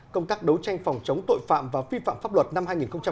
công tác đấu tranh phòng chống tội phạm và phi phạm pháp luật năm hai nghìn một mươi chín